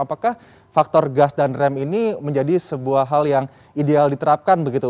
apakah faktor gas dan rem ini menjadi sebuah hal yang ideal diterapkan begitu